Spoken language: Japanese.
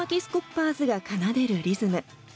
パーズが奏でるリズム。